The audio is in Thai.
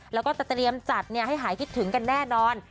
แล้วก็จะเตรียมจัดให้หายคิดถึงกันแน่นอน